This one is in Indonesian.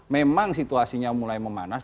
memang situasinya mulai memanas